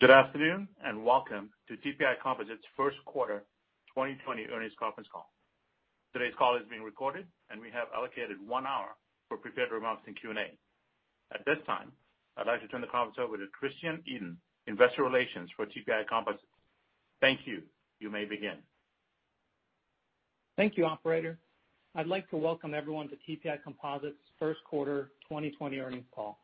Good afternoon, welcome to TPI Composites' first quarter 2020 earnings conference call. Today's call is being recorded, and we have allocated one hour for prepared remarks and Q&A. At this time, I'd like to turn the conference over to Christian Edin, Investor Relations for TPI Composites. Thank you. You may begin. Thank you, operator. I'd like to welcome everyone to TPI Composites' first quarter 2020 earnings call.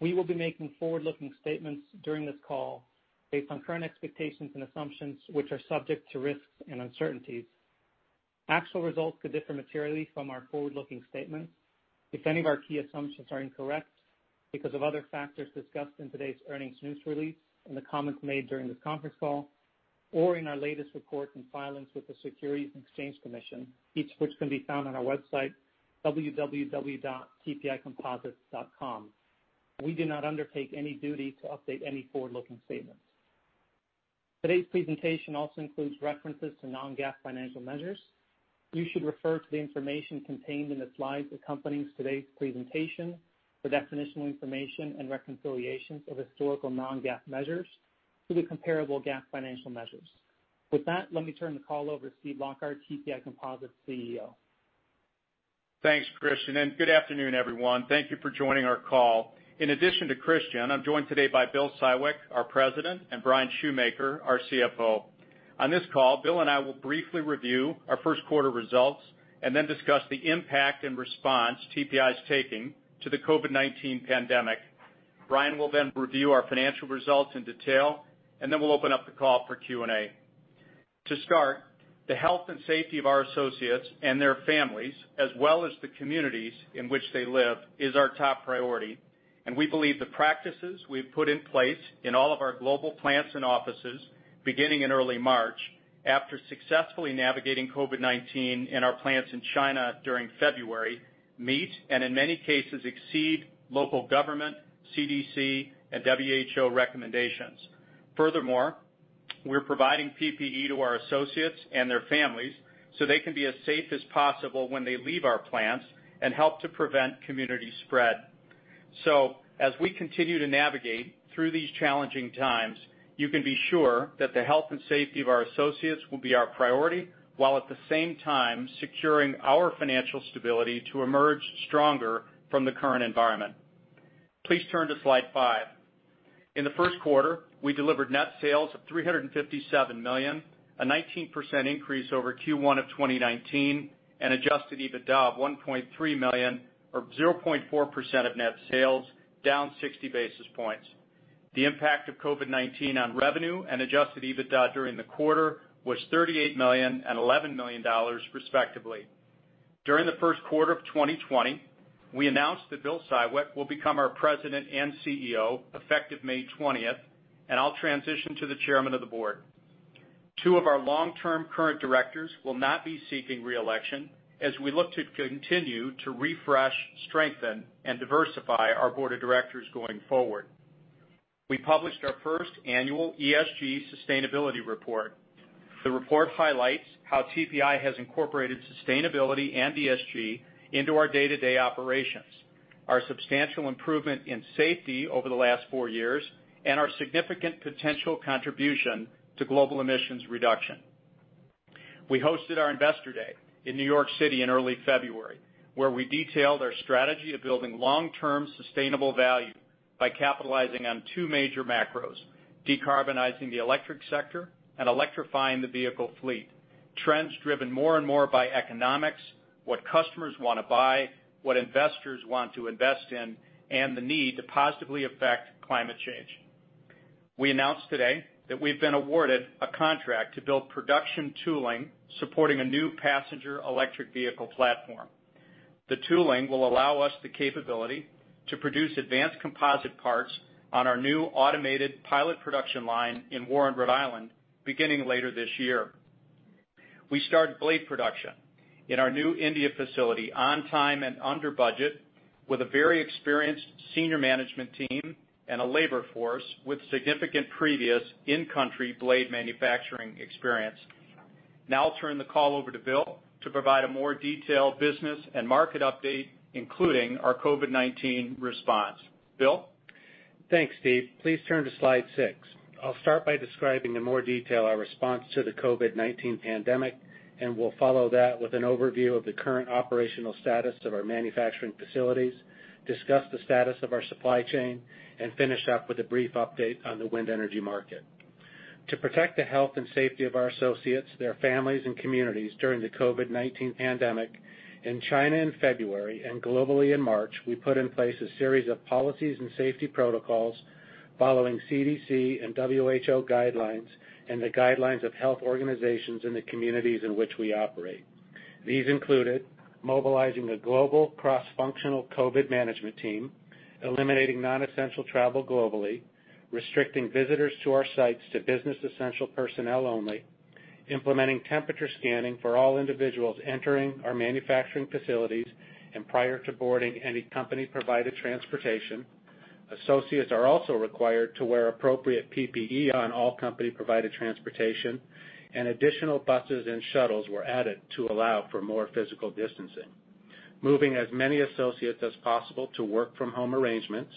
We will be making forward-looking statements during this call based on current expectations and assumptions, which are subject to risks and uncertainties. Actual results could differ materially from our forward-looking statements if any of our key assumptions are incorrect because of other factors discussed in today's earnings news release, in the comments made during this conference call, or in our latest report and filings with the Securities and Exchange Commission, each of which can be found on our website, www.tpicomposites.com. We do not undertake any duty to update any forward-looking statements. Today's presentation also includes references to non-GAAP financial measures. You should refer to the information contained in the slides accompanying today's presentation for definitional information and reconciliations of historical non-GAAP measures to the comparable GAAP financial measures. With that, let me turn the call over to Steven Lockard, TPI Composites' CEO. Thanks, Christian. Good afternoon, everyone. Thank you for joining our call. In addition to Christian, I'm joined today by Bill Siwek, our President, and Bryan Schumaker, our CFO. On this call, Bill and I will briefly review our first quarter results and then discuss the impact and response TPI's taking to the COVID-19 pandemic. Bryan will then review our financial results in detail, and then we'll open up the call for Q&A. To start, the health and safety of our associates and their families, as well as the communities in which they live, is our top priority, and we believe the practices we've put in place in all of our global plants and offices beginning in early March, after successfully navigating COVID-19 in our plants in China during February, meet, and in many cases exceed, local government, CDC, and WHO recommendations. Furthermore, we're providing PPE to our associates and their families so they can be as safe as possible when they leave our plants and help to prevent community spread. As we continue to navigate through these challenging times, you can be sure that the health and safety of our associates will be our priority, while at the same time securing our financial stability to emerge stronger from the current environment. Please turn to slide five. In the first quarter, we delivered net sales of $357 million, a 19% increase over Q1 of 2019, and adjusted EBITDA of $1.3 million or 0.4% of net sales, down 60 basis points. The impact of COVID-19 on revenue and adjusted EBITDA during the quarter was $38 million and $11 million respectively. During the first quarter of 2020, we announced that Bill Siwek will become our President and CEO effective May 20th, and I'll transition to the Chairman of the Board. Two of our long-term current directors will not be seeking re-election as we look to continue to refresh, strengthen, and diversify our board of directors going forward. We published our first annual ESG sustainability report. The report highlights how TPI has incorporated sustainability and ESG into our day-to-day operations, our substantial improvement in safety over the last four years, and our significant potential contribution to global emissions reduction. We hosted our Investor Day in New York City in early February, where we detailed our strategy of building long-term sustainable value by capitalizing on two major macros: decarbonizing the electric sector and electrifying the vehicle fleet, trends driven more and more by economics, what customers want to buy, what investors want to invest in, and the need to positively affect climate change. We announced today that we've been awarded a contract to build production tooling supporting a new passenger electric vehicle platform. The tooling will allow us the capability to produce advanced composite parts on our new automated pilot production line in Warren, Rhode Island, beginning later this year. We started blade production in our new India facility on time and under budget with a very experienced senior management team and a labor force with significant previous in-country blade manufacturing experience. Now I'll turn the call over to Bill to provide a more detailed business and market update, including our COVID-19 response. Bill? Thanks, Steve. Please turn to slide six. I'll start by describing in more detail our response to the COVID-19 pandemic, and we'll follow that with an overview of the current operational status of our manufacturing facilities, discuss the status of our supply chain, and finish up with a brief update on the wind energy market. To protect the health and safety of our associates, their families, and communities during the COVID-19 pandemic in China in February and globally in March, we put in place a series of policies and safety protocols following CDC and WHO guidelines and the guidelines of health organizations in the communities in which we operate. These included mobilizing a global cross-functional COVID management team, eliminating non-essential travel globally, restricting visitors to our sites to business-essential personnel only, implementing temperature scanning for all individuals entering our manufacturing facilities and prior to boarding any company-provided transportation. Associates are also required to wear appropriate PPE on all company-provided transportation, and additional buses and shuttles were added to allow for more physical distancing. Moving as many associates as possible to work from home arrangements,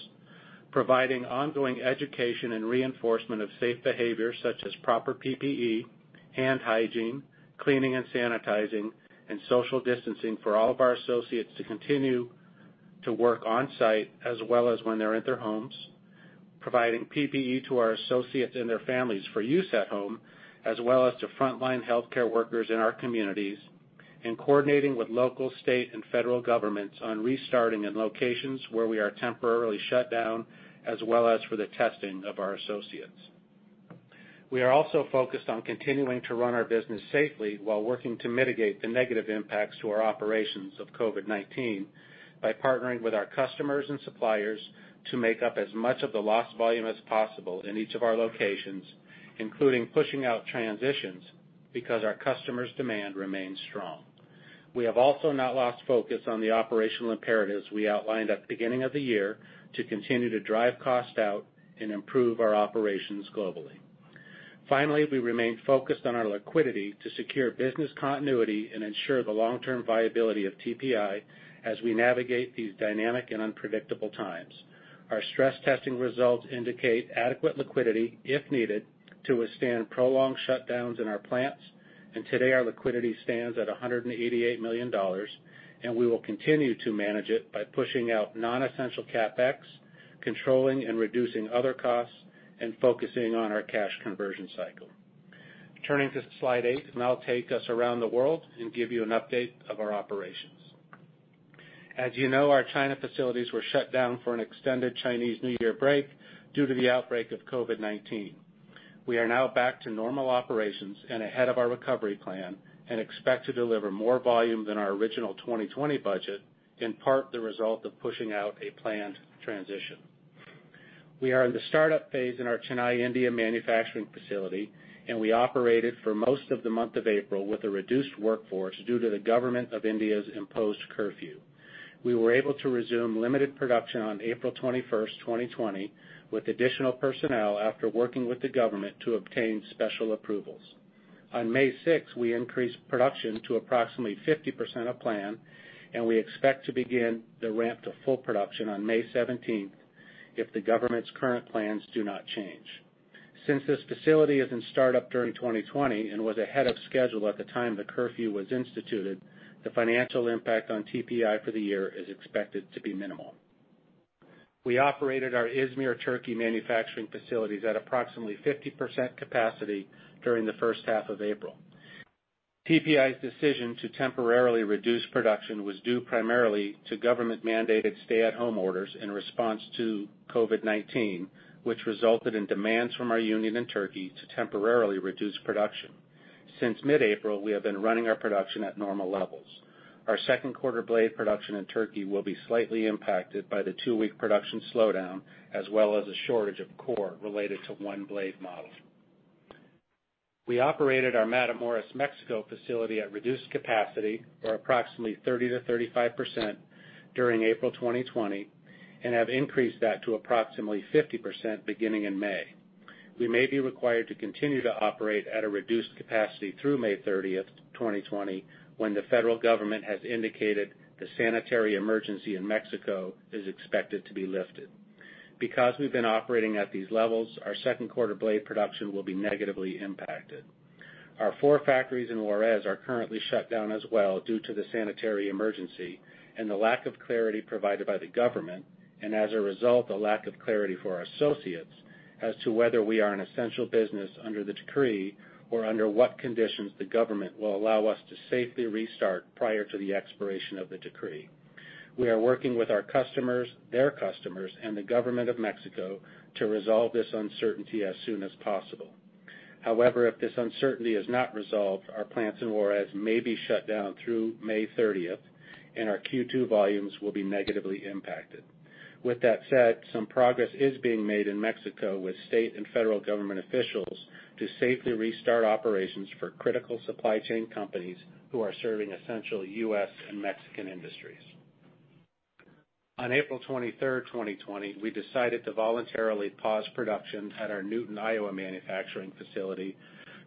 providing ongoing education and reinforcement of safe behavior, such as proper PPE, hand hygiene, cleaning and sanitizing, and social distancing for all of our associates to continue to work on site as well as when they're at their homes. Providing PPE to our associates and their families for use at home, as well as to frontline healthcare workers in our communities. Coordinating with local, state, and federal governments on restarting in locations where we are temporarily shut down, as well as for the testing of our associates. We are also focused on continuing to run our business safely while working to mitigate the negative impacts to our operations of COVID-19 by partnering with our customers and suppliers to make up as much of the lost volume as possible in each of our locations, including pushing out transitions, because our customers' demand remains strong. We have also not lost focus on the operational imperatives we outlined at the beginning of the year to continue to drive cost out and improve our operations globally. Finally, we remain focused on our liquidity to secure business continuity and ensure the long-term viability of TPI as we navigate these dynamic and unpredictable times. Our stress testing results indicate adequate liquidity, if needed, to withstand prolonged shutdowns in our plants, and today our liquidity stands at $188 million, and we will continue to manage it by pushing out non-essential CapEx, controlling and reducing other costs, and focusing on our cash conversion cycle. Turning to slide eight. Now take us around the world and give you an update of our operations. As you know, our China facilities were shut down for an extended Chinese New Year break due to the outbreak of COVID-19. We are now back to normal operations and ahead of our recovery plan and expect to deliver more volume than our original 2020 budget, in part the result of pushing out a planned transition. We are in the startup phase in our Chennai, India manufacturing facility, and we operated for most of the month of April with a reduced workforce due to the Government of India's imposed curfew. We were able to resume limited production on April 21st, 2020, with additional personnel after working with the government to obtain special approvals. On May 6th, we increased production to approximately 50% of plan, and we expect to begin the ramp to full production on May 17th if the government's current plans do not change. Since this facility is in startup during 2020 and was ahead of schedule at the time the curfew was instituted, the financial impact on TPI for the year is expected to be minimal. We operated our Izmir, Turkey manufacturing facilities at approximately 50% capacity during the first half of April. TPI's decision to temporarily reduce production was due primarily to government-mandated stay-at-home orders in response to COVID-19, which resulted in demands from our union in Turkey to temporarily reduce production. Since mid-April, we have been running our production at normal levels. Our second quarter blade production in Turkey will be slightly impacted by the two-week production slowdown, as well as a shortage of core related to one blade model. We operated our Matamoros, Mexico facility at reduced capacity, or approximately 30%-35%, during April 2020, and have increased that to approximately 50% beginning in May. We may be required to continue to operate at a reduced capacity through May 30th, 2020, when the federal government has indicated the sanitary emergency in Mexico is expected to be lifted. Because we've been operating at these levels, our second quarter blade production will be negatively impacted. Our four factories in Juárez are currently shut down as well due to the sanitary emergency and the lack of clarity provided by the Government, and as a result, a lack of clarity for our associates as to whether we are an essential business under the decree or under what conditions the Government will allow us to safely restart prior to the expiration of the decree. We are working with our customers, their customers, and the Government of Mexico to resolve this uncertainty as soon as possible. However, if this uncertainty is not resolved, our plants in Juárez may be shut down through May 30th, and our Q2 volumes will be negatively impacted. With that said, some progress is being made in Mexico with state and federal government officials to safely restart operations for critical supply chain companies who are serving essential U.S. and Mexican industries. On April 23rd, 2020, we decided to voluntarily pause production at our Newton, Iowa manufacturing facility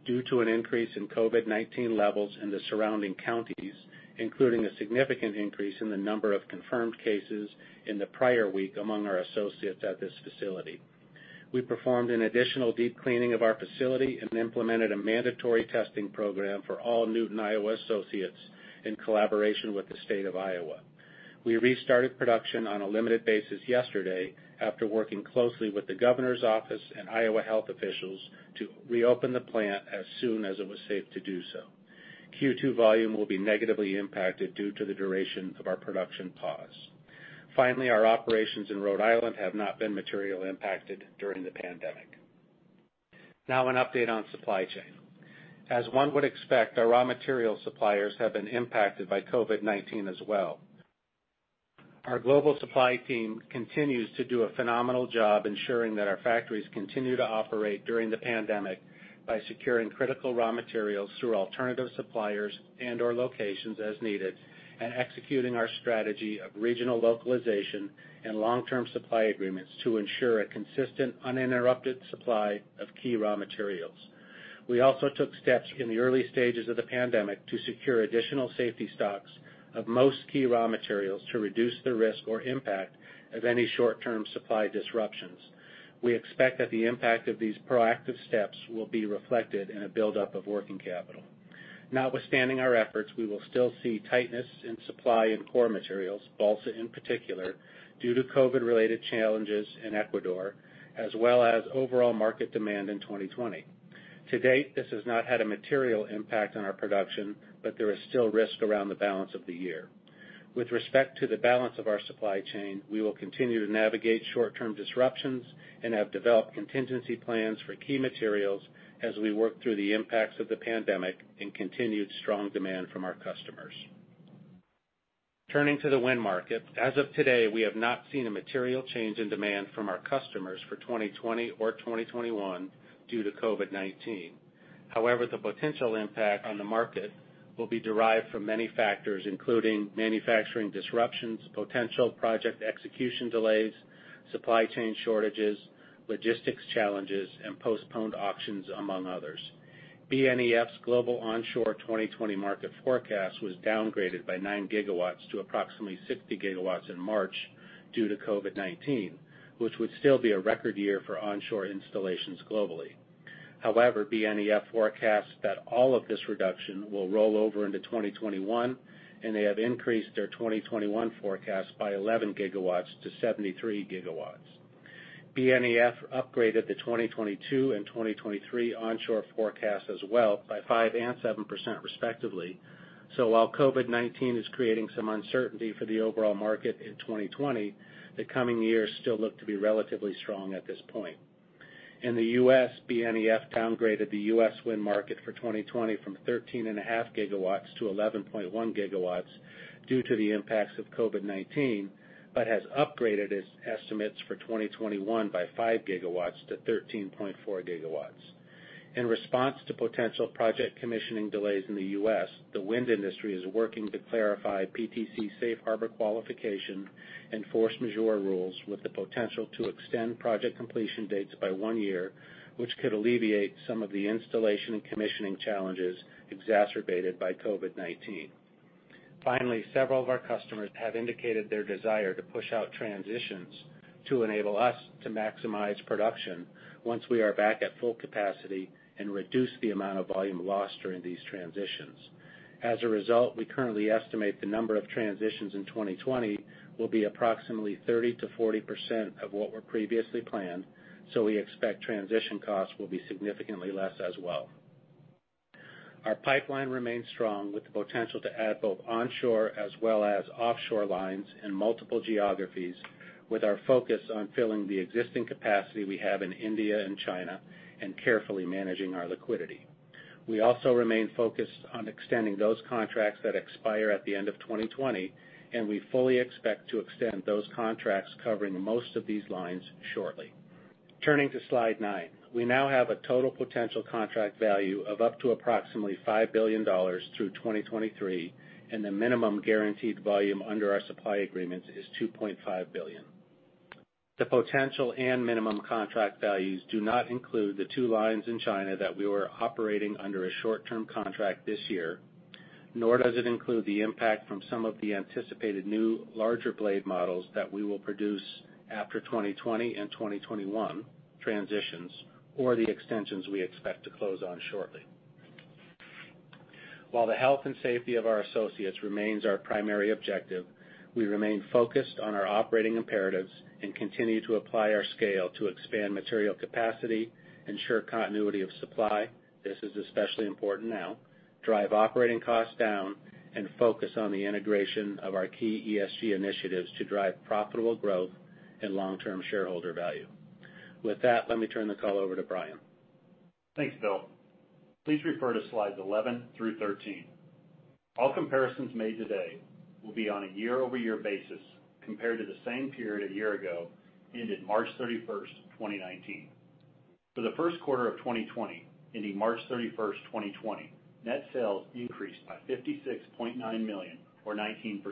due to an increase in COVID-19 levels in the surrounding counties, including a significant increase in the number of confirmed cases in the prior week among our associates at this facility. We performed an additional deep cleaning of our facility and implemented a mandatory testing program for all Newton, Iowa associates in collaboration with the state of Iowa. We restarted production on a limited basis yesterday after working closely with the governor's office and Iowa health officials to reopen the plant as soon as it was safe to do so. Q2 volume will be negatively impacted due to the duration of our production pause. Finally, our operations in Rhode Island have not been materially impacted during the pandemic. Now an update on supply chain. As one would expect, our raw material suppliers have been impacted by COVID-19 as well. Our global supply team continues to do a phenomenal job ensuring that our factories continue to operate during the pandemic by securing critical raw materials through alternative suppliers and/or locations as needed, and executing our strategy of regional localization and long-term supply agreements to ensure a consistent, uninterrupted supply of key raw materials. We also took steps in the early stages of the pandemic to secure additional safety stocks of most key raw materials to reduce the risk or impact of any short-term supply disruptions. We expect that the impact of these proactive steps will be reflected in a buildup of working capital. Not with standing our efforts, we will still see tightness in supply and core materials, balsa in particular, due to COVID-related challenges in Ecuador, as well as overall market demand in 2020. To date, this has not had a material impact on our production, but there is still risk around the balance of the year. With respect to the balance of our supply chain, we will continue to navigate short-term disruptions and have developed contingency plans for key materials as we work through the impacts of the pandemic and continued strong demand from our customers. Turning to the wind market. As of today, we have not seen a material change in demand from our customers for 2020 or 2021 due to COVID-19. However, the potential impact on the market will be derived from many factors, including manufacturing disruptions, potential project execution delays, supply chain shortages, logistics challenges, and postponed auctions, among others. BloombergNEF's global onshore 2020 market forecast was downgraded by 9 GW to approximately 60 GW in March due to COVID-19, which would still be a record year for onshore installations globally. BloombergNEF forecasts that all of this reduction will roll over into 2021, and they have increased their 2021 forecast by 11 GW to 73 GW. BloombergNEF upgraded the 2022 and 2023 onshore forecast as well by 5% and 7%, respectively. While COVID-19 is creating some uncertainty for the overall market in 2020, the coming years still look to be relatively strong at this point. In the U.S., BloombergNEF downgraded the U.S. wind market for 2020 from 13.5 GW to 11.1 GW due to the impacts of COVID-19, but has upgraded its estimates for 2021 by 5 GW to 13.4 GW. In response to potential project commissioning delays in the U.S., the wind industry is working to clarify PTC safe harbor qualification and force majeure rules with the potential to extend project completion dates by one year, which could alleviate some of the installation and commissioning challenges exacerbated by COVID-19. Several of our customers have indicated their desire to push out transitions to enable us to maximize production once we are back at full capacity and reduce the amount of volume lost during these transitions. We currently estimate the number of transitions in 2020 will be approximately 30%-40% of what were previously planned. We expect transition costs will be significantly less as well. Our pipeline remains strong with the potential to add both onshore as well as offshore lines in multiple geographies with our focus on filling the existing capacity we have in India and China and carefully managing our liquidity. We also remain focused on extending those contracts that expire at the end of 2020, and we fully expect to extend those contracts covering most of these lines shortly. Turning to slide nine. We now have a total potential contract value of up to approximately $5 billion through 2023, and the minimum guaranteed volume under our supply agreements is $2.5 billion. The potential and minimum contract values do not include the two lines in China that we were operating under a short-term contract this year, nor does it include the impact from some of the anticipated new larger blade models that we will produce after 2020 and 2021 transitions, or the extensions we expect to close on shortly. While the health and safety of our associates remains our primary objective, we remain focused on our operating imperatives and continue to apply our scale to expand material capacity, ensure continuity of supply, this is especially important now, drive operating costs down, and focus on the integration of our key ESG initiatives to drive profitable growth and long-term shareholder value. With that, let me turn the call over to Bryan. Thanks, Bill. Please refer to slides 11 through 13. All comparisons made today will be on a year-over-year basis compared to the same period a year ago, ended March 31, 2019. For the first quarter of 2020, ending March 31, 2020, net sales increased by $56.9 million or 19%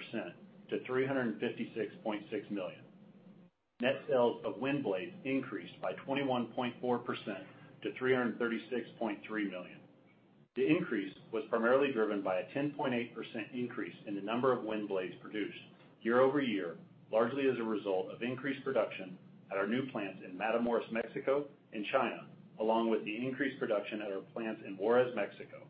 to $356.6 million. Net sales of wind blades increased by 21.4% to $336.3 million. The increase was primarily driven by a 10.8% increase in the number of wind blades produced year-over-year, largely as a result of increased production at our new plants in Matamoros, Mexico and China, along with the increased production at our plants in Juarez, Mexico.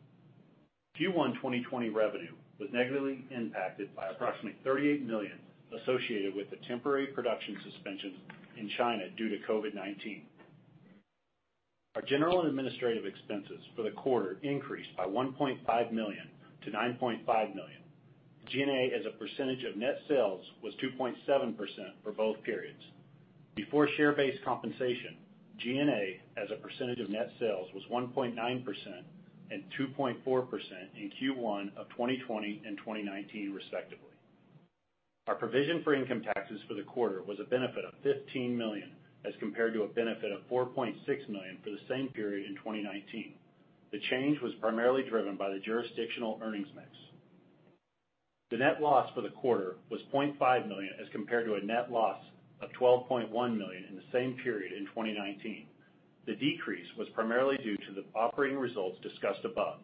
Q1 2020 revenue was negatively impacted by approximately $38 million associated with the temporary production suspension in China due to COVID-19. Our general and administrative expenses for the quarter increased by $1.5 million to $9.5 million. G&A as a percentage of net sales was 2.7% for both periods. Before share-based compensation, G&A as a percentage of net sales was 1.9% and 2.4% in Q1 of 2020 and 2019, respectively. Our provision for income taxes for the quarter was a benefit of $15 million as compared to a benefit of $4.6 million for the same period in 2019. The change was primarily driven by the jurisdictional earnings mix. The net loss for the quarter was $0.5 million as compared to a net loss of $12.1 million in the same period in 2019. The decrease was primarily due to the operating results discussed above.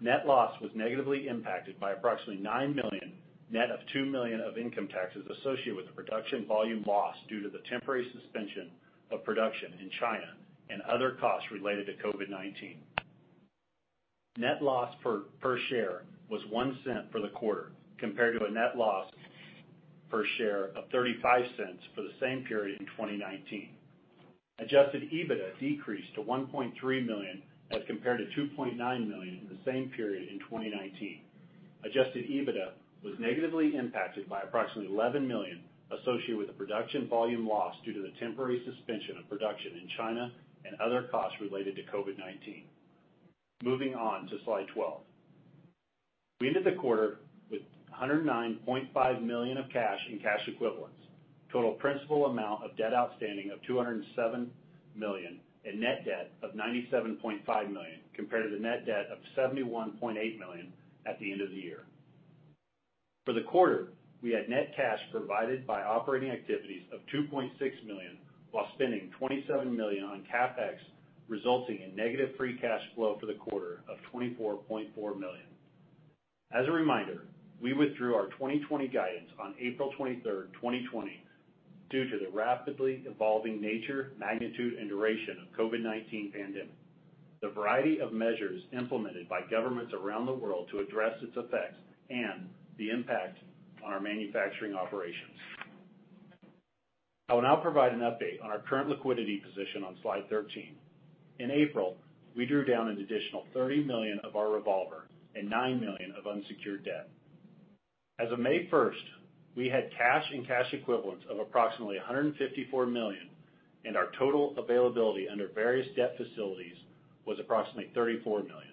Net loss was negatively impacted by approximately $9 million, net of $2 million of income taxes associated with the production volume loss due to the temporary suspension of production in China and other costs related to COVID-19. Net loss per share was $0.01 for the quarter, compared to a net loss per share of $0.35 for the same period in 2019. Adjusted EBITDA decreased to $1.3 million as compared to $2.9 million in the same period in 2019. Adjusted EBITDA was negatively impacted by approximately $11 million associated with the production volume loss due to the temporary suspension of production in China and other costs related to COVID-19. Moving on to slide 12. We ended the quarter with $109.5 million of cash and cash equivalents, total principal amount of debt outstanding of $207 million and net debt of $97.5 million compared to the net debt of $71.8 million at the end of the year. For the quarter, we had net cash provided by operating activities of $2.6 million while spending $27 million on CapEx, resulting in negative free cash flow for the quarter of $24.4 million. As a reminder, we withdrew our 2020 guidance on April 23rd, 2020, due to the rapidly evolving nature, magnitude, and duration of COVID-19 pandemic, the variety of measures implemented by governments around the world to address its effects, and the impact on our manufacturing operations. I will now provide an update on our current liquidity position on slide 13. In April, we drew down an additional $30 million of our revolver and $9 million of unsecured debt. As of May 1st, we had cash and cash equivalents of approximately $154 million, and our total availability under various debt facilities was approximately $34 million.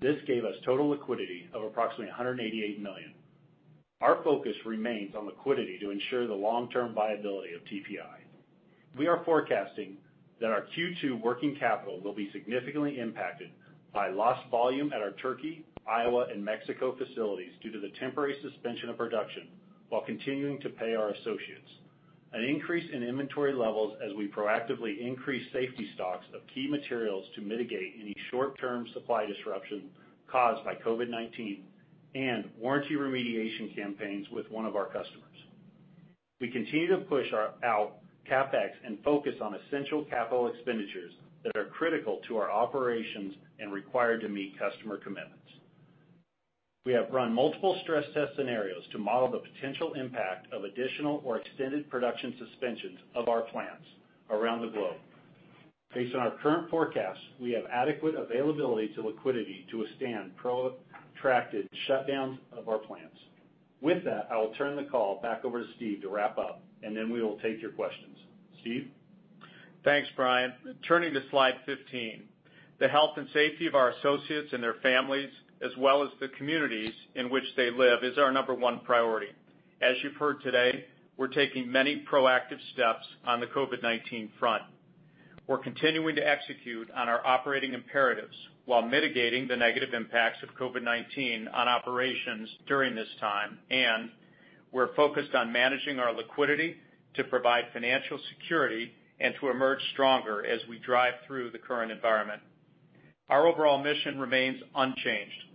This gave us total liquidity of approximately $188 million. Our focus remains on liquidity to ensure the long-term viability of TPI. We are forecasting that our Q2 working capital will be significantly impacted by lost volume at our Turkey, Iowa, and Mexico facilities due to the temporary suspension of production, while continuing to pay our associates. An increase in inventory levels as we proactively increase safety stocks of key materials to mitigate any short-term supply disruption caused by COVID-19 and warranty remediation campaigns with one of our customers. We continue to push out CapEx and focus on essential capital expenditures that are critical to our operations and required to meet customer commitments. We have run multiple stress test scenarios to model the potential impact of additional or extended production suspensions of our plants around the globe. Based on our current forecast, we have adequate availability to liquidity to withstand protracted shutdowns of our plants. With that, I will turn the call back over to Steve to wrap up, and then we will take your questions. Steve? Thanks, Bryan. Turning to slide 15. The health and safety of our associates and their families, as well as the communities in which they live, is our number one priority. As you've heard today, we're taking many proactive steps on the COVID-19 front. We're continuing to execute on our operating imperatives while mitigating the negative impacts of COVID-19 on operations during this time. We're focused on managing our liquidity to provide financial security and to emerge stronger as we drive through the current environment. Our overall mission remains unchanged,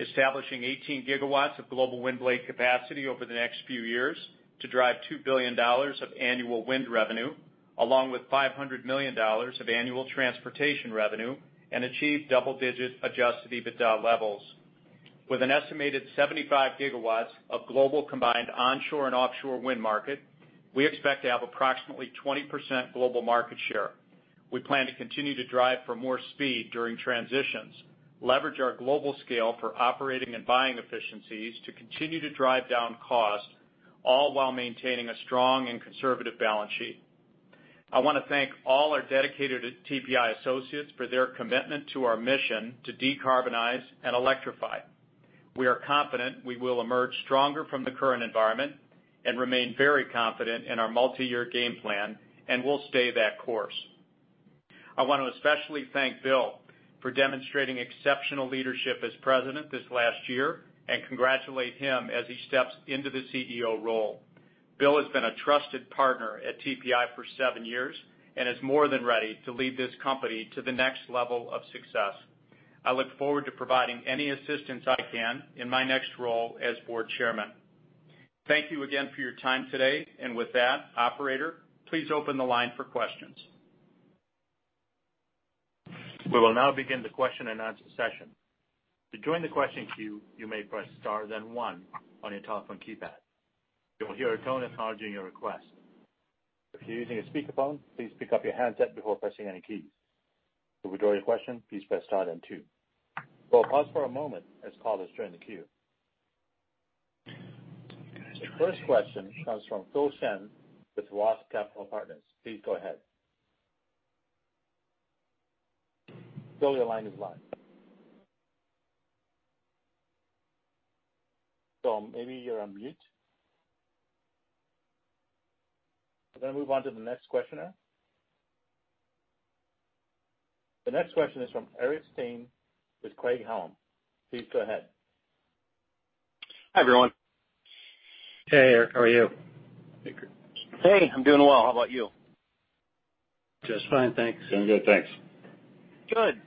establishing 18 gigawatts of global wind blade capacity over the next few years to drive $2 billion of annual wind revenue, along with $500 million of annual transportation revenue, and achieve double-digit adjusted EBITDA levels. With an estimated 75 GW of global combined onshore and offshore wind market, we expect to have approximately 20% global market share. We plan to continue to drive for more speed during transitions, leverage our global scale for operating and buying efficiencies to continue to drive down cost, all while maintaining a strong and conservative balance sheet. I want to thank all our dedicated TPI associates for their commitment to our mission to decarbonize and electrify. We are confident we will emerge stronger from the current environment and remain very confident in our multi-year game plan, and we'll stay that course. I want to especially thank Bill for demonstrating exceptional leadership as President this last year and congratulate him as he steps into the CEO role. Bill has been a trusted partner at TPI for seven years and is more than ready to lead this company to the next level of success. I look forward to providing any assistance I can in my next role as Board Chairman. Thank you again for your time today. With that, operator, please open the line for questions. We will now begin the question and answer session. To join the question queue, you may press star then one on your telephone keypad. You will hear a tone acknowledging your request. If you're using a speakerphone, please pick up your handset before pressing any keys. To withdraw your question, please press star then two. We'll pause for a moment as callers join the queue. The first question comes from Phil Shen with ROTH Capital Partners. Please go ahead. Phil, your line is live. Phil, maybe you're on mute. We're going to move on to the next questioner. The next question is from Eric Stine with Craig-Hallum. Please go ahead. Hi, everyone. Hey, Eric. How are you? Hey, I'm doing well. How about you? Just fine, thanks. Doing good, thanks. Good.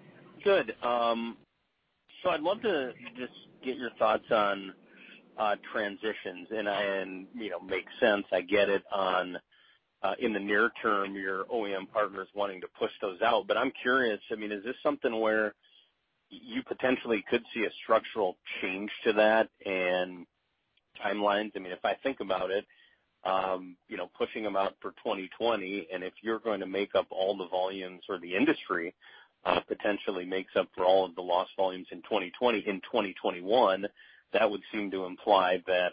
I'd love to just get your thoughts on transitions and makes sense. I get it, in the near term, your OEM partners wanting to push those out. I'm curious, is this something where you potentially could see a structural change to that and timelines? If I think about it, pushing them out for 2020, and if you're going to make up all the volumes or the industry potentially makes up for all of the lost volumes in 2020, in 2021, that would seem to imply that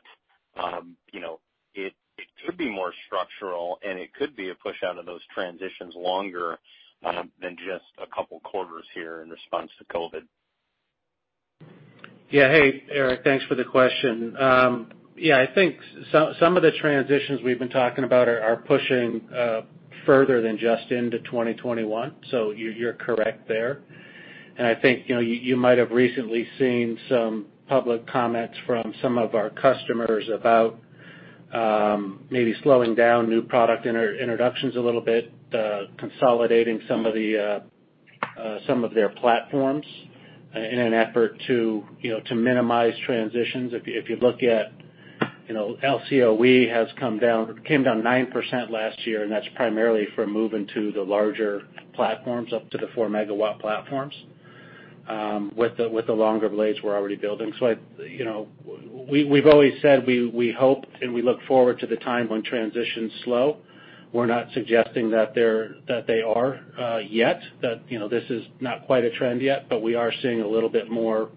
it could be more structural and it could be a push out of those transitions longer than just a couple of quarters here in response to COVID. Hey, Eric. Thanks for the question. I think some of the transitions we've been talking about are pushing further than just into 2021. You're correct there. I think, you might have recently seen some public comments from some of our customers about maybe slowing down new product introductions a little bit, consolidating some of their platforms in an effort to minimize transitions. If you look at LCOE has came down 9% last year, and that's primarily for moving to the larger platforms, up to the 4 MW platforms, with the longer blades we're already building. We've always said we hope and we look forward to the time when transitions slow. We're not suggesting that they are yet, that this is not quite a trend yet, but we are seeing a little bit more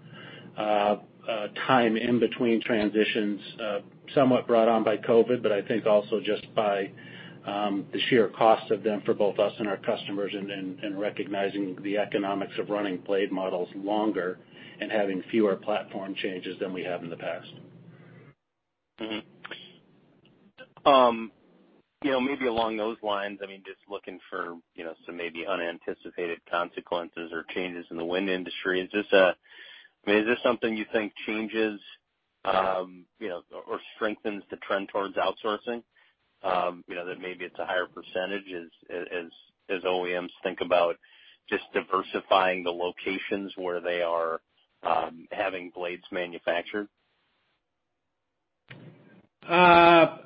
time in between transitions, somewhat brought on by COVID, but I think also just by the sheer cost of them for both us and our customers and recognizing the economics of running blade models longer and having fewer platform changes than we have in the past. Mm-hmm. Maybe along those lines, just looking for some maybe unanticipated consequences or changes in the wind industry. Is this something you think changes or strengthens the trend towards outsourcing? That maybe it's a higher percentage as OEMs think about just diversifying the locations where they are having blades manufactured? I'm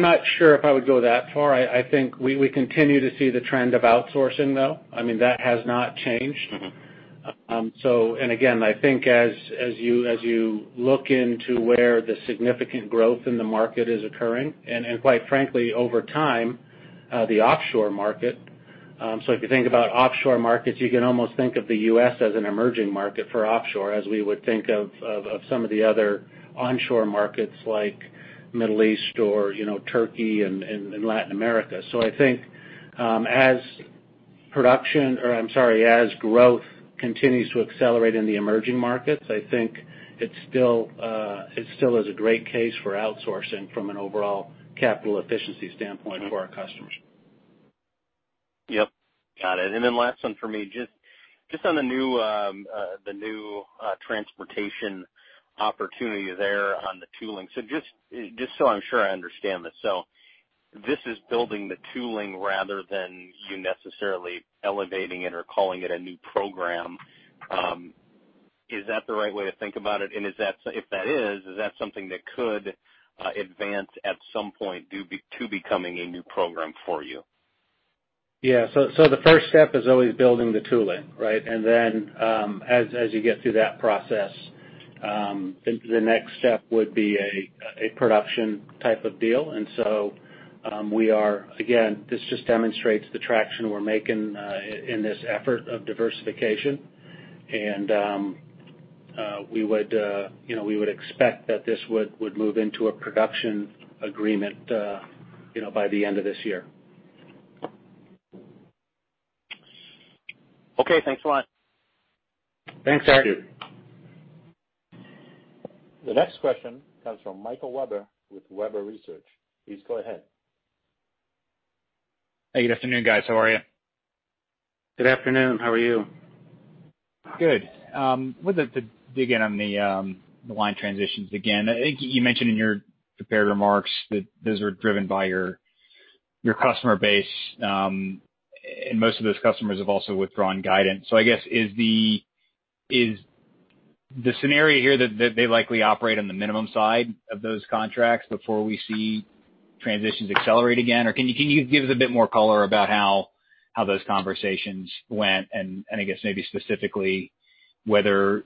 not sure if I would go that far. I think we continue to see the trend of outsourcing, though. That has not changed. Again, I think as you look into where the significant growth in the market is occurring, and quite frankly, over time, the offshore market. If you think about offshore markets, you can almost think of the U.S. as an emerging market for offshore as we would think of some of the other onshore markets like Middle East or Turkey and Latin America. I think as production or, I'm sorry, as growth continues to accelerate in the emerging markets, I think it still is a great case for outsourcing from an overall capital efficiency standpoint for our customers. Yep. Got it. Last one for me. Just on the new transportation opportunity there on the tooling. Just so I'm sure I understand this. This is building the tooling rather than you necessarily elevating it or calling it a new program. Is that the right way to think about it? If that is that something that could advance at some point to becoming a new program for you? Yeah. The first step is always building the tooling, right? As you get through that process, the next step would be a production type of deal. We are, again, this just demonstrates the traction we're making in this effort of diversification. We would expect that this would move into a production agreement by the end of this year. Okay. Thanks a lot. Thanks, Eric. Thank you. The next question comes from Michael Webber with Webber Research. Please go ahead. Hey, good afternoon, guys. How are you? Good afternoon. How are you? Good. To dig in on the line transitions again, I think you mentioned in your prepared remarks that those are driven by your customer base. Most of those customers have also withdrawn guidance. I guess, is the scenario here that they likely operate on the minimum side of those contracts before we see transitions accelerate again? Can you give us a bit more color about how those conversations went and, I guess maybe specifically, whether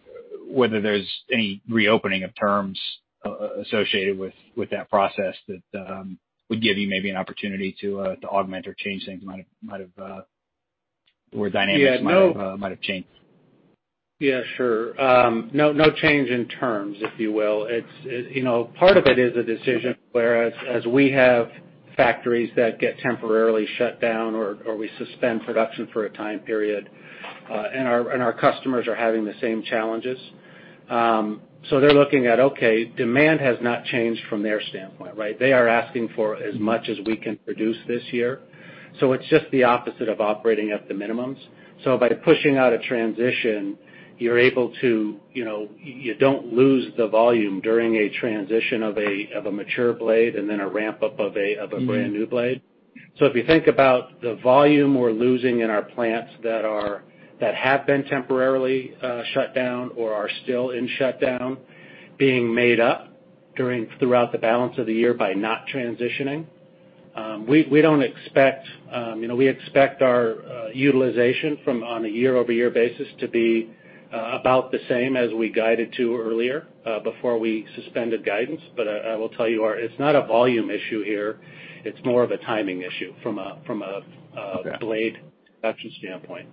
there's any reopening of terms associated with that process that would give you maybe an opportunity to augment or change things might have or dynamics might have changed? Yeah, sure. No change in terms, if you will. Part of it is a decision where as we have factories that get temporarily shut down or we suspend production for a time period, and our customers are having the same challenges. They're looking at, okay, demand has not changed from their standpoint, right? They are asking for as much as we can produce this year. It's just the opposite of operating at the minimums. By pushing out a transition, you don't lose the volume during a transition of a mature blade and then a ramp-up of a brand-new blade. If you think about the volume we're losing in our plants that have been temporarily shut down or are still in shutdown, being made up throughout the balance of the year by not transitioning. We expect our utilization on a year-over-year basis to be about the same as we guided to earlier, before we suspended guidance. I will tell you, it's not a volume issue here. It's more of a timing issue from a blade production standpoint.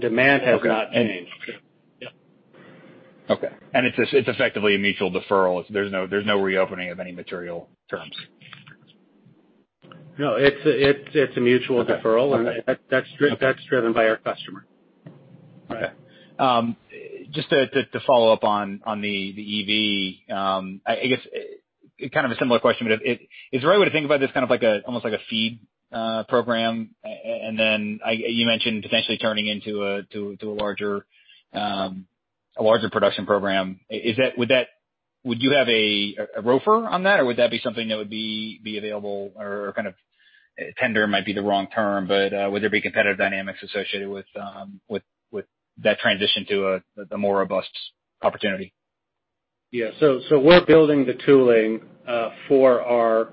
Demand has not changed. Okay. Yep. Okay. It's effectively a mutual deferral. There's no reopening of any material terms. No, it's a mutual deferral. Okay. That's driven by our customer. Okay. Just to follow up on the EV, I guess, kind of a similar question, but is the right way to think about this almost like a feed program? You mentioned potentially turning into a larger production program. Would you have a ROFR on that, or would that be something that would be available or, tender might be the wrong term, but would there be competitive dynamics associated with that transition to the more robust opportunity? Yeah. We're building the tooling for our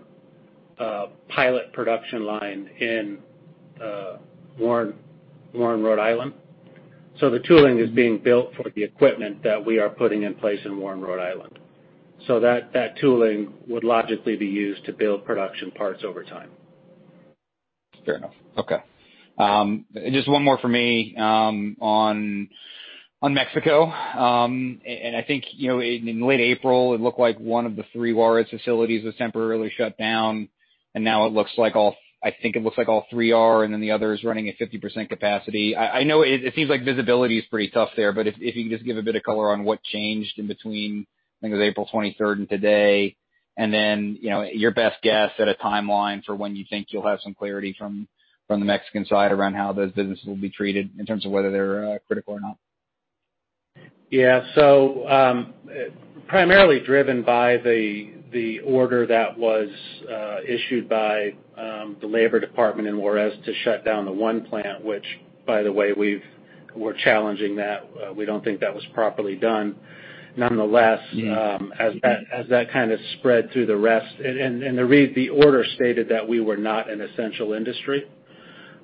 pilot production line in Warren, Rhode Island. The tooling is being built for the equipment that we are putting in place in Warren, Rhode Island. That tooling would logically be used to build production parts over time. Fair enough. Okay. Just one more from me on Mexico. I think in late April, it looked like one of the three Juarez facilities was temporarily shut down, and now I think it looks like all three are, and then the other is running at 50% capacity. It seems like visibility is pretty tough there, if you can just give a bit of color on what changed in between, I think it was April 23rd and today. Your best guess at a timeline for when you think you'll have some clarity from the Mexican side around how those businesses will be treated in terms of whether they're critical or not. Yeah. Primarily driven by the order that was issued by the labor department in Juárez to shut down the one plant, which, by the way, we're challenging that. We don't think that was properly done. The order stated that we were not an essential industry.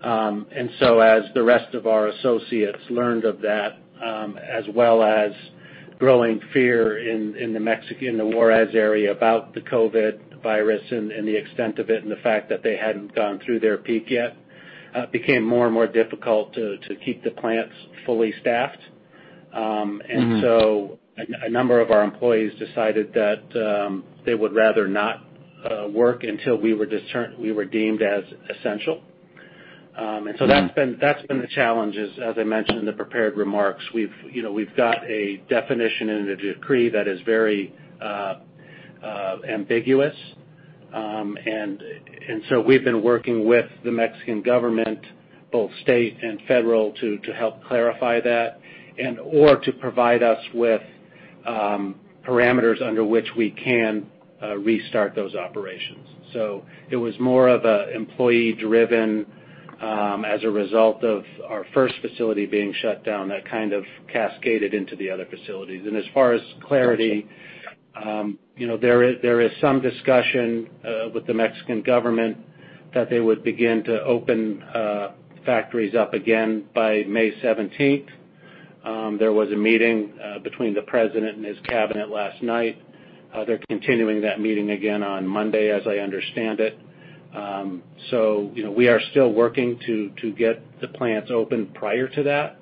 As the rest of our associates learned of that, as well as growing fear in the Juárez area about the COVID virus and the extent of it, and the fact that they hadn't gone through their peak yet, it became more and more difficult to keep the plants fully staffed. A number of our employees decided that they would rather not work until we were deemed as essential. That's been the challenge, as I mentioned in the prepared remarks. We've got a definition in the decree that is very ambiguous. We've been working with the Mexican government, both state and federal, to help clarify that and/or to provide us with parameters under which we can restart those operations. It was more of an employee-driven, as a result of our first facility being shut down, that kind of cascaded into the other facilities. There is some discussion with the Mexican government that they would begin to open factories up again by May 17th. There was a meeting between the president and his cabinet last night. They're continuing that meeting again on Monday, as I understand it. We are still working to get the plants open prior to that,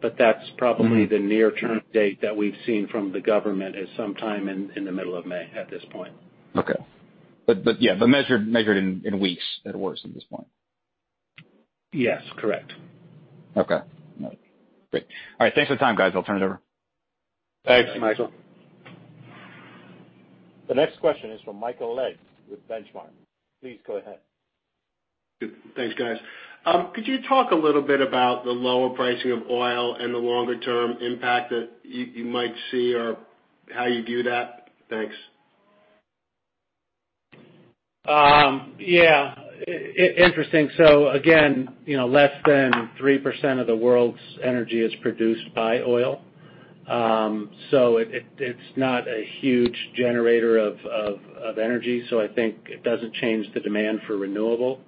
but that's probably the near-term date that we've seen from the government, is sometime in the middle of May, at this point. Okay. Measured in weeks, at worst, at this point? Yes, correct. Okay. Great. All right. Thanks for the time, guys. I'll turn it over. Thanks, Michael. The next question is from Michael Legg with Benchmark. Please go ahead. Thanks, guys. Could you talk a little bit about the lower pricing of oil and the longer-term impact that you might see or how you view that? Thanks. Yeah. Interesting. Again, less than 3% of the world's energy is produced by oil. It's not a huge generator of energy. I think it doesn't change the demand for renewables.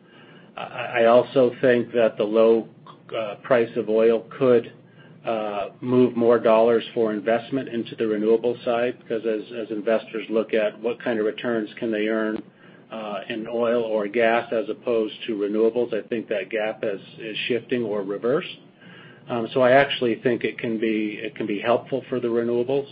I also think that the low price of oil could move more dollars for investment into the renewables side, because as investors look at what kind of returns can they earn in oil or gas as opposed to renewables, I think that gap is shifting or reversed. I actually think it can be helpful for the renewables.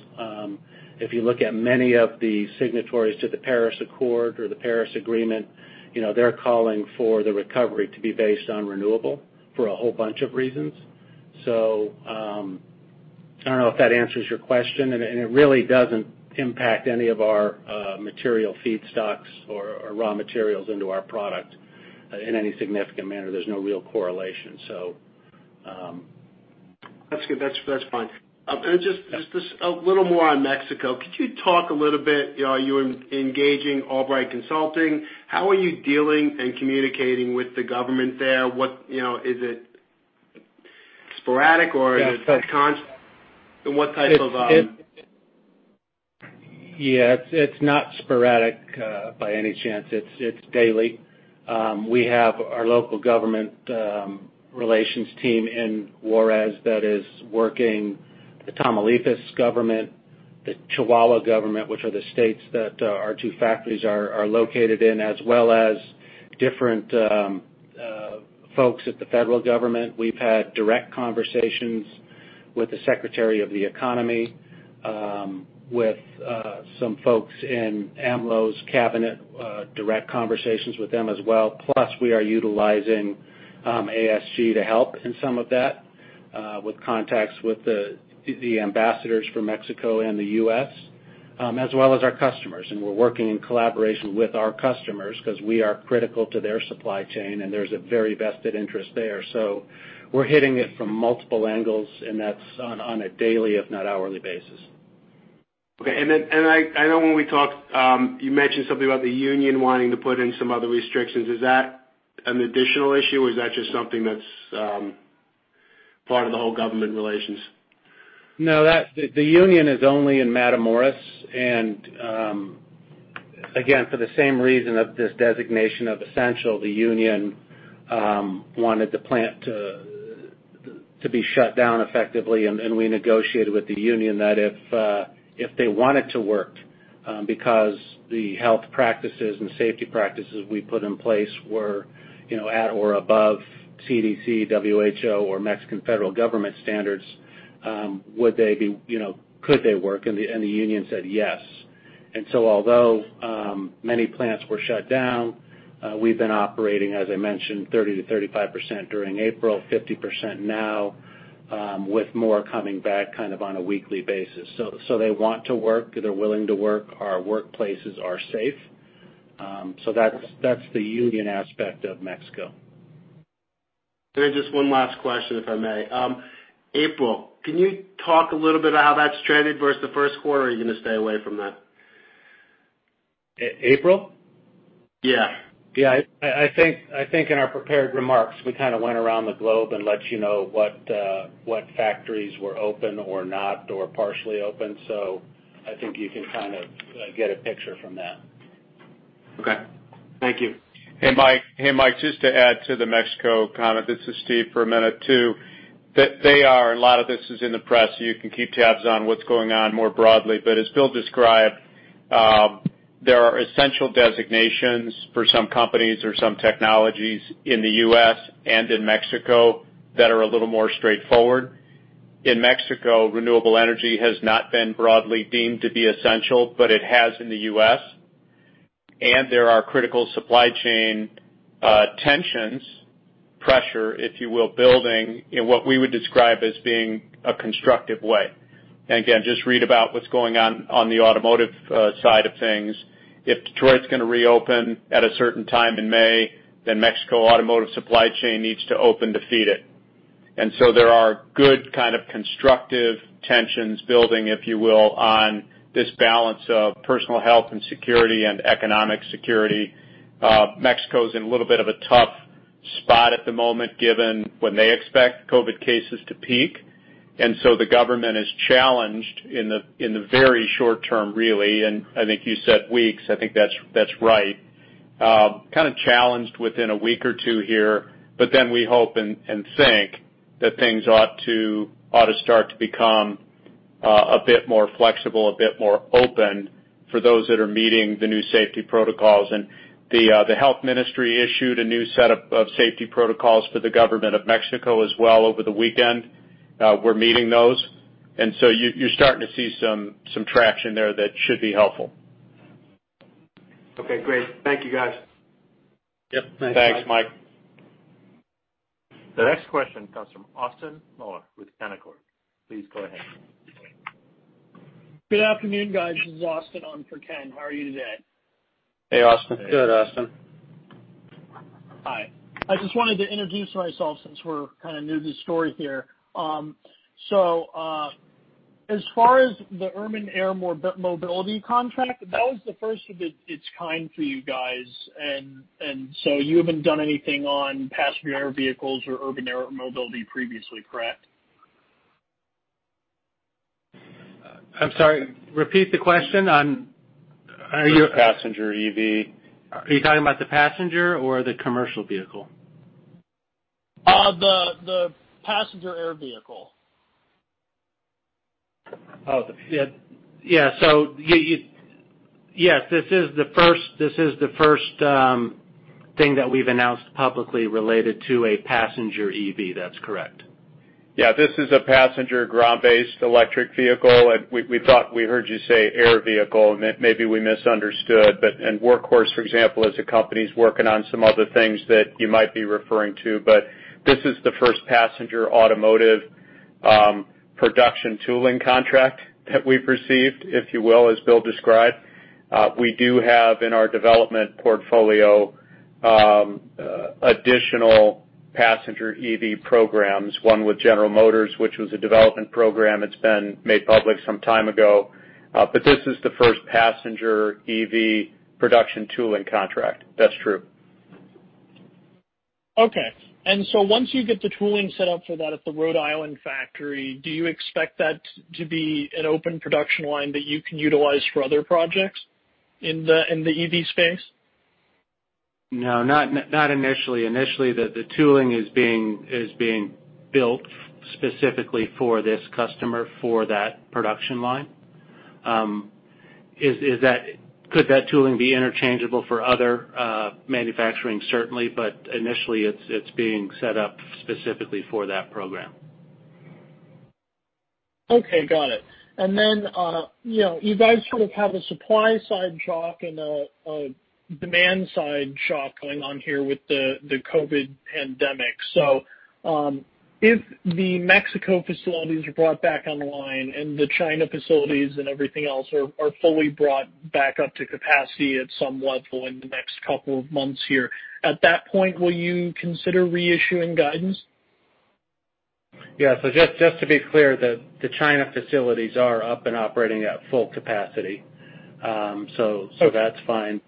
If you look at many of the signatories to the Paris Agreement or the Paris Agreement, they're calling for the recovery to be based on renewables for a whole bunch of reasons. I don't know if that answers your question, and it really doesn't impact any of our material feedstocks or raw materials into our product in any significant manner. There's no real correlation. That's good. That's fine. Just a little more on Mexico, could you talk a little bit, you're engaging Albright Stonebridge Group, how are you dealing and communicating with the government there? Is it sporadic, or is it constant? It's not sporadic by any chance. It's daily. We have our local government relations team in Juárez that is working the Tamaulipas government, the Chihuahua government, which are the states that our two factories are located in, as well as different folks at the federal government. We've had direct conversations with the Secretary of the Economy, with some folks in AMLO's cabinet, direct conversations with them as well. We are utilizing ASG to help in some of that with contacts with the ambassadors from Mexico and the U.S., as well as our customers, and we're working in collaboration with our customers because we are critical to their supply chain, and there's a very vested interest there. We're hitting it from multiple angles, and that's on a daily, if not hourly basis. Okay. Then I know when we talked, you mentioned something about the union wanting to put in some other restrictions. Is that an additional issue, or is that just something that's part of the whole government relations? No, the union is only in Matamoros. Again, for the same reason of this designation of essential, the union wanted the plant to be shut down effectively. We negotiated with the union that if they wanted to work because the health practices and safety practices we put in place were at or above CDC, WHO, or Mexican federal government standards, could they work? The union said yes. Although many plants were shut down, we've been operating, as I mentioned, 30%-35% during April, 50% now, with more coming back kind of on a weekly basis. They want to work. They're willing to work. Our workplaces are safe. That's the union aspect of Mexico. Just one last question, if I may. April, can you talk a little bit about how that's trended versus the first quarter, or are you going to stay away from that? April? Yeah. Yeah. I think in our prepared remarks, we kind of went around the globe and let you know what factories were open or not or partially open. I think you can kind of get a picture from that. Okay. Thank you. Hey, Mike. Just to add to the Mexico comment, this is Steve for a minute too. A lot of this is in the press, you can keep tabs on what's going on more broadly. As Bill described, there are essential designations for some companies or some technologies in the U.S. and in Mexico that are a little more straightforward. In Mexico, renewable energy has not been broadly deemed to be essential, but it has in the U.S., and there are critical supply chain tensions, pressure, if you will, building in what we would describe as being a constructive way. Again, just read about what's going on the automotive side of things. If Detroit's going to reopen at a certain time in May, then Mexico automotive supply chain needs to open to feed it. There are good kind of constructive tensions building, if you will, on this balance of personal health and security and economic security. Mexico's in a little bit of a tough spot at the moment given when they expect COVID-19 cases to peak, and so the Government is challenged in the very short term, really. I think you said weeks. I think that's right. Kind of challenged within a week or two here, we hope and think that things ought to start to become a bit more flexible, a bit more open for those that are meeting the new safety protocols. The Health Ministry issued a new set of safety protocols for the Government of Mexico as well over the weekend. We're meeting those. You're starting to see some traction there that should be helpful. Okay, great. Thank you, guys. Yep. Thanks, Mike. Thanks, Mike. The next question comes from Austin Moeller with Canaccord. Please go ahead. Good afternoon, guys. This is Austin on for Ken. How are you today? Hey, Austin. Good, Austin. Hi. I just wanted to introduce myself since we're kind of new to the story here. As far as the urban air mobility contract, that was the first of its kind for you guys. You haven't done anything on passenger air vehicles or urban air mobility previously, correct? I'm sorry. Repeat the question. Passenger EV. Are you talking about the passenger or the commercial vehicle? The passenger air vehicle. Yeah. Yes, this is the first thing that we've announced publicly related to a passenger EV. That's correct. Yeah. This is a passenger ground-based electric vehicle. We thought we heard you say air vehicle, and maybe we misunderstood. Workhorse, for example, as a company's working on some other things that you might be referring to, but this is the first passenger automotive production tooling contract that we've received, if you will, as Bill described. We do have in our development portfolio, additional passenger EV programs, one with General Motors, which was a development program. It's been made public some time ago. This is the first passenger EV production tooling contract. That's true. Okay. Once you get the tooling set up for that at the Rhode Island factory, do you expect that to be an open production line that you can utilize for other projects in the EV space? No, not initially. Initially, the tooling is being built specifically for this customer for that production line. Could that tooling be interchangeable for other manufacturing? Certainly. Initially, it's being set up specifically for that program. Okay, got it. You guys sort of have a supply side shock and a demand side shock going on here with the COVID pandemic. If the Mexico facilities are brought back online and the China facilities and everything else are fully brought back up to capacity at some level in the next couple of months here. At that point, will you consider reissuing guidance? Yeah. Just to be clear, the China facilities are up and operating at full capacity. That's fine.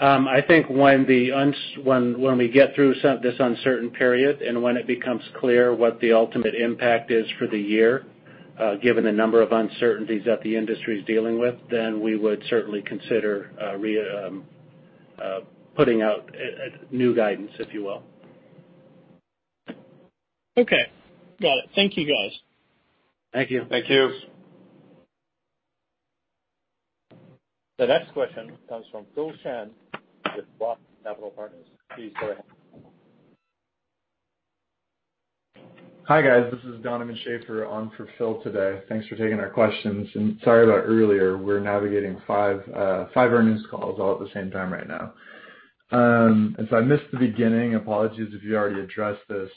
I think when we get through this uncertain period and when it becomes clear what the ultimate impact is for the year, given the number of uncertainties that the industry's dealing with, then we would certainly consider putting out new guidance, if you will. Okay. Got it. Thank you, guys. Thank you. Thank you. The next question comes from Philip Chan with Block Capital Partners. Please go ahead. Hi, guys. This is Donovan Schafer on for Phil today. Thanks for taking our questions, and sorry about earlier. We're navigating five earnings calls all at the same time right now. If I missed the beginning, apologies if you already addressed this.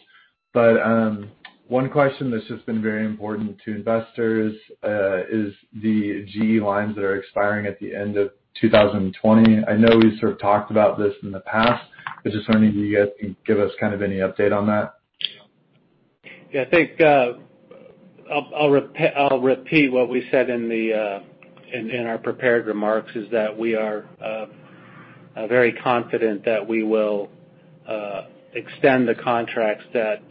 One question that's just been very important to investors, is the GE lines that are expiring at the end of 2020. I know we've sort of talked about this in the past. I was just wondering if you guys can give us kind of any update on that. Yeah, I think, I'll repeat what we said in our prepared remarks, is that we are very confident that we will extend the contracts that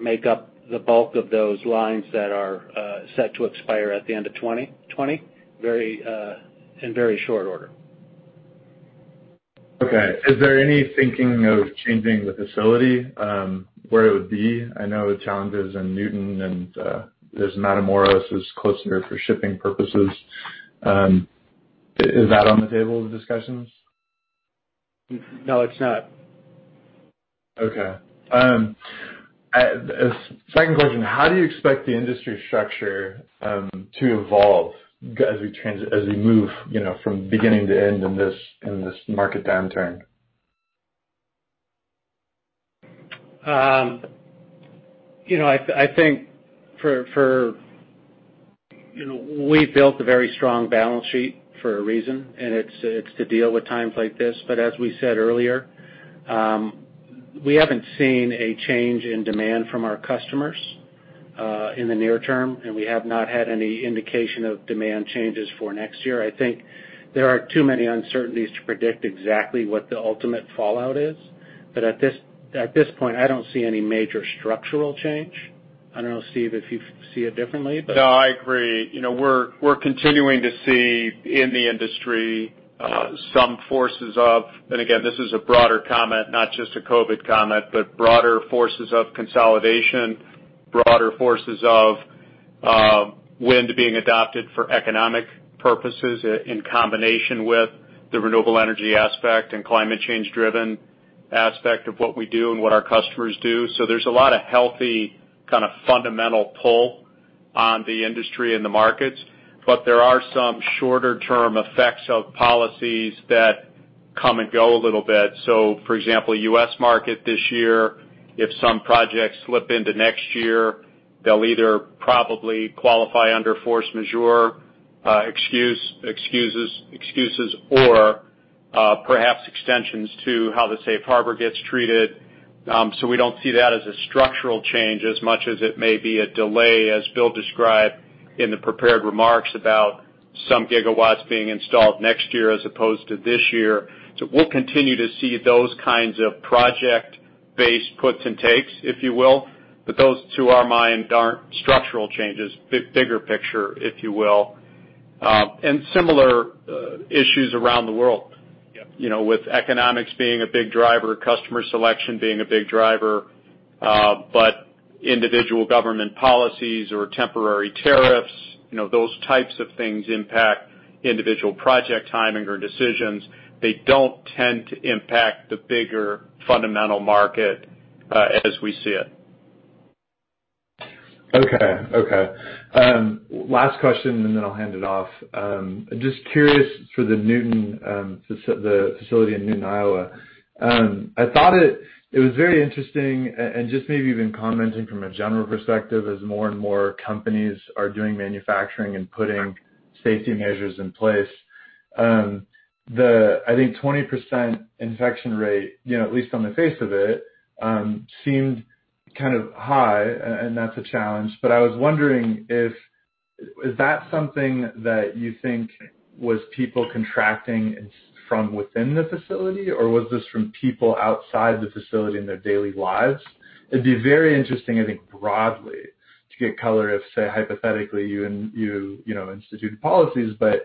make up the bulk of those lines that are set to expire at the end of 2020 in very short order. Okay. Is there any thinking of changing the facility, where it would be? I know the challenges in Newton and there's Matamoros, who's closer for shipping purposes. Is that on the table of discussions? No, it's not. Okay. Second question. How do you expect the industry structure to evolve as we move from beginning to end in this market downturn? I think we've built a very strong balance sheet for a reason, and it's to deal with times like this. As we said earlier, we haven't seen a change in demand from our customers, in the near term, and we have not had any indication of demand changes for next year. I think there are too many uncertainties to predict exactly what the ultimate fallout is. At this point, I don't see any major structural change. I don't know, Steve, if you see it differently. No, I agree. We're continuing to see in the industry, and again, this is a broader comment, not just a COVID comment, but broader forces of consolidation, broader forces of wind being adopted for economic purposes in combination with the renewable energy aspect and climate change-driven aspect of what we do and what our customers do. There's a lot of healthy kind of fundamental pull on the industry and the markets, but there are some shorter-term effects of policies that come and go a little bit. For example, U.S. market this year, if some projects slip into next year, they'll either probably qualify under force majeure excuses or perhaps extensions to how the safe harbor gets treated. We don't see that as a structural change as much as it may be a delay, as Bill described in the prepared remarks about some gigawatts being installed next year as opposed to this year. We'll continue to see those kinds of project-based puts and takes, if you will. Those, to our mind, aren't structural changes, bigger picture, if you will. Similar issues around the world. With economics being a big driver, customer selection being a big driver, but individual government policies or temporary tariffs, those types of things impact individual project timing or decisions. They don't tend to impact the bigger fundamental market, as we see it. Okay. Last question. Then I'll hand it off. Just curious for the facility in Newton, Iowa. I thought it was very interesting and just maybe even commenting from a general perspective as more and more companies are doing manufacturing and putting safety measures in place. I think 20% infection rate, at least on the face of it, seemed kind of high, and that's a challenge. I was wondering if that's something that you think was people contracting from within the facility, or was this from people outside the facility in their daily lives? It'd be very interesting, I think, broadly to get color if, say, hypothetically, you institute policies, but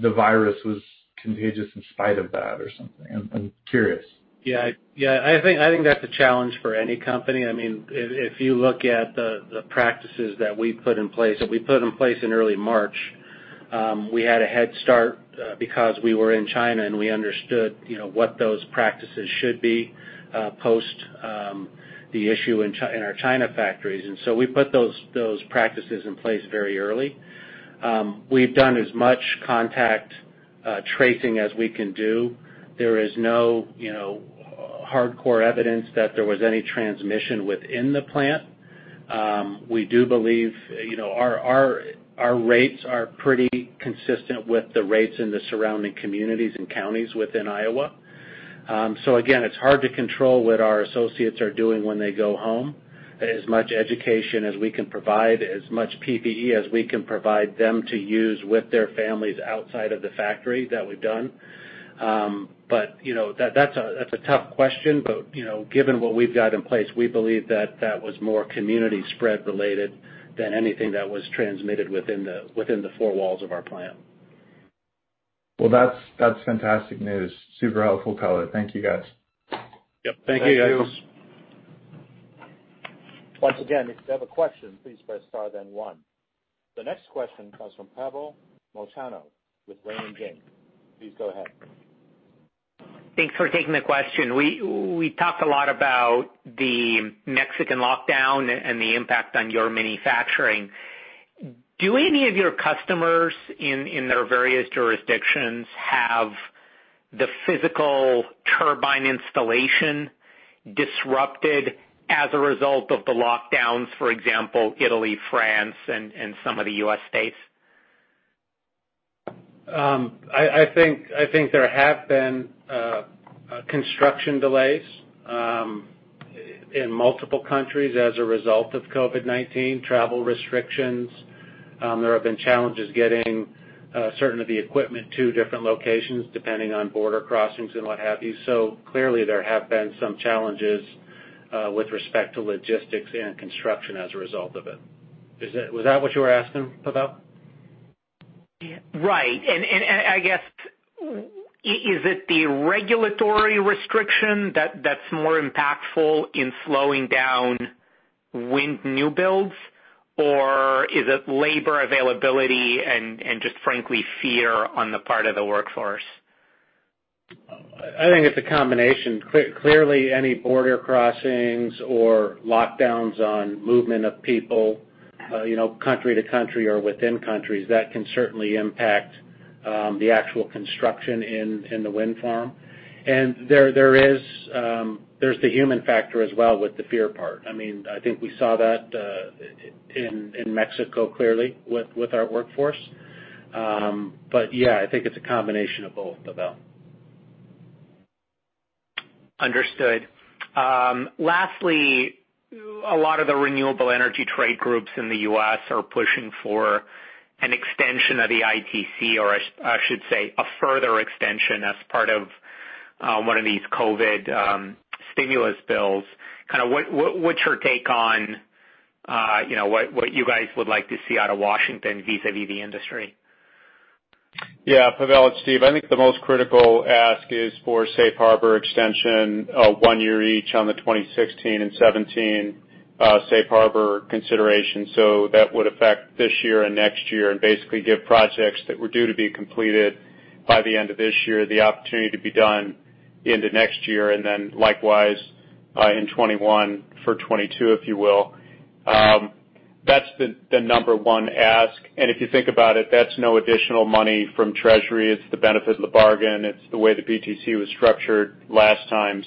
the virus was contagious in spite of that or something. I'm curious. Yeah. I think that's a challenge for any company. If you look at the practices that we put in place, that we put in place in early March, we had a head start because we were in China, and we understood what those practices should be, post the issue in our China factories. We put those practices in place very early. We've done as much contact tracing as we can do. There is no hardcore evidence that there was any transmission within the plant. We do believe our rates are pretty consistent with the rates in the surrounding communities and counties within Iowa. Again, it's hard to control what our associates are doing when they go home. As much education as we can provide, as much PPE as we can provide them to use with their families outside of the factory that we've done. That's a tough question. Given what we've got in place, we believe that was more community spread related than anything that was transmitted within the four walls of our plant. Well, that's fantastic news. Super helpful color. Thank you, guys. Yep. Thank you, guys. Thank you. Once again, if you have a question, please press star, then one. The next question comes from Pavel Molchanov with Raymond James. Please go ahead. Thanks for taking the question. We talked a lot about the Mexican lockdown and the impact on your manufacturing. Do any of your customers in their various jurisdictions have the physical turbine installation disrupted as a result of the lockdowns? For example, Italy, France, and some of the U.S. states. I think there have been construction delays in multiple countries as a result of COVID-19 travel restrictions. There have been challenges getting certain of the equipment to different locations, depending on border crossings and what have you. Clearly there have been some challenges with respect to logistics and construction as a result of it. Was that what you were asking, Pavel? Right. I guess, is it the regulatory restriction that's more impactful in slowing down wind new builds, or is it labor availability and just frankly fear on the part of the workforce? I think it's a combination. Clearly, any border crossings or lockdowns on movement of people country to country or within countries, that can certainly impact the actual construction in the wind farm. There's the human factor as well with the fear part. I think we saw that in Mexico, clearly with our workforce. Yeah, I think it's a combination of both, Pavel. Understood. Lastly, a lot of the renewable energy trade groups in the U.S. are pushing for an extension of the ITC, or I should say a further extension as part of one of these COVID stimulus bills. What's your take on what you guys would like to see out of Washington vis-à-vis the industry? Yeah, Pavel, it's Steve. I think the most critical ask is for safe harbor extension of one year each on the 2016 and 2017 safe harbor consideration. That would affect this year and next year and basically give projects that were due to be completed by the end of this year the opportunity to be done into next year, and then likewise, in 2021 for 2022, if you will. That's the number one ask, and if you think about it, that's no additional money from Treasury. It's the benefit of the bargain. It's the way the PTC was structured last time.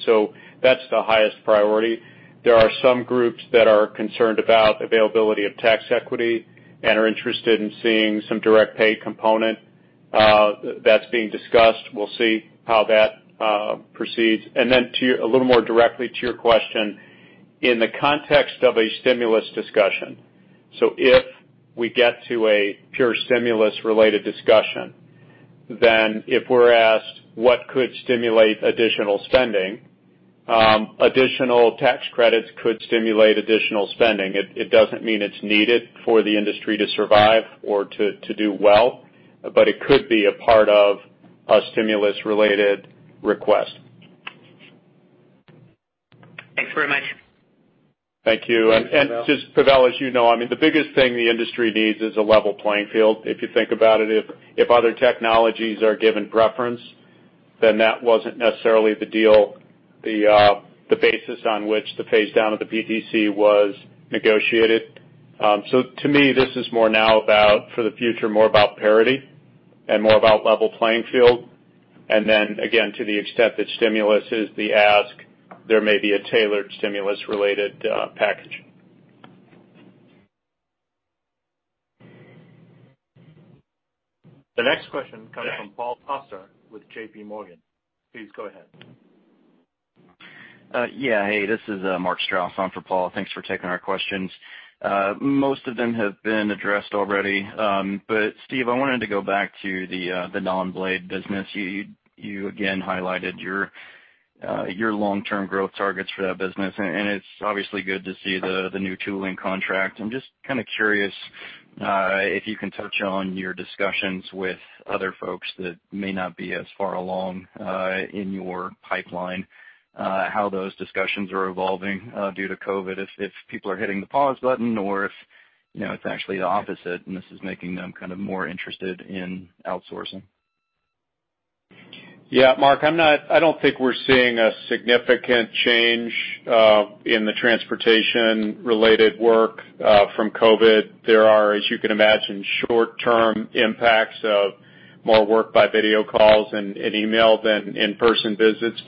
That's the highest priority. There are some groups that are concerned about availability of tax equity and are interested in seeing some direct pay component. That's being discussed. We'll see how that proceeds. A little more directly to your question, in the context of a stimulus discussion. If we get to a pure stimulus-related discussion, then if we're asked what could stimulate additional spending additional tax credits could stimulate additional spending. It doesn't mean it's needed for the industry to survive or to do well, but it could be a part of a stimulus-related request. Thanks very much. Thank you. Just, Pavel, as you know, the biggest thing the industry needs is a level playing field. If you think about it, if other technologies are given preference, then that wasn't necessarily the deal, the basis on which the phase down of the PTC was negotiated. To me, this is more now about, for the future, more about parity and more about level playing field. Again, to the extent that stimulus is the ask, there may be a tailored stimulus-related package. The next question comes from Paul Coster with J.P. Morgan. Please go ahead. Yeah. Hey, this is Mark Strouse on for Paul. Thanks for taking our questions. Most of them have been addressed already. Steve, I wanted to go back to the non-blade business. You again highlighted your long-term growth targets for that business, and it's obviously good to see the new tooling contract. I'm just kind of curious if you can touch on your discussions with other folks that may not be as far along in your pipeline, how those discussions are evolving due to COVID, if people are hitting the pause button or if it's actually the opposite, and this is making them more interested in outsourcing. Mark, I don't think we're seeing a significant change in the transportation-related work from COVID-19. There are, as you can imagine, short-term impacts of more work by video calls and email than in-person visits.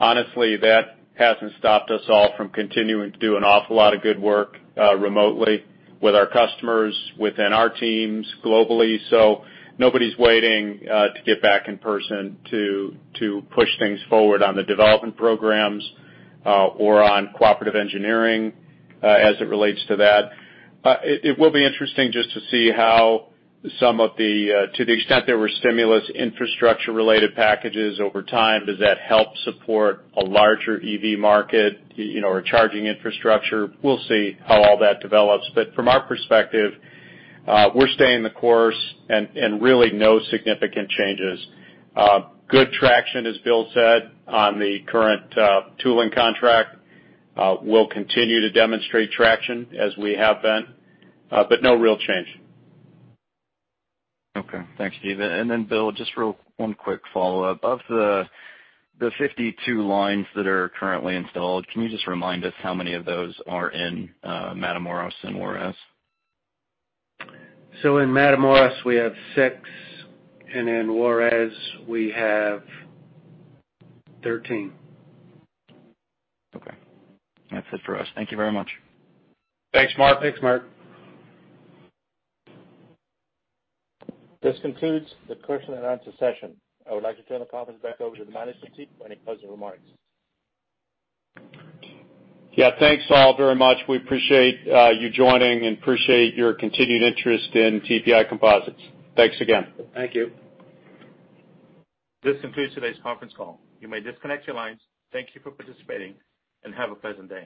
Honestly, that hasn't stopped us all from continuing to do an awful lot of good work remotely with our customers, within our teams globally. Nobody's waiting to get back in person to push things forward on the development programs, or on cooperative engineering, as it relates to that. It will be interesting just to see how to the extent there were stimulus infrastructure-related packages over time, does that help support a larger EV market or charging infrastructure? We'll see how all that develops. From our perspective, we're staying the course and really no significant changes. Good traction, as Bill said, on the current tooling contract. We'll continue to demonstrate traction as we have been. No real change. Okay. Thanks, Steve. Bill, just real one quick follow-up. Of the 52 lines that are currently installed, can you just remind us how many of those are in Matamoros and Juarez? In Matamoros, we have six, and in Juarez we have 13. Okay. That's it for us. Thank you very much. Thanks, Mark. Thanks, Mark. This concludes the question and answer session. I would like to turn the conference back over to the management team for any closing remarks. Thanks all very much. We appreciate you joining and appreciate your continued interest in TPI Composites. Thanks again. Thank you. This concludes today's conference call. You may disconnect your lines. Thank you for participating and have a pleasant day.